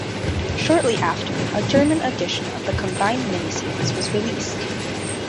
Shortly after, a German addition of the combined mini-series was released.